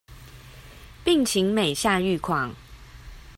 病情每下愈況